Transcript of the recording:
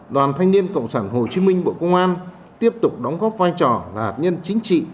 đoàn thanh niên cộng sản hồ chí minh bộ công an tiếp tục đóng góp vai trò là hạt nhân chính trị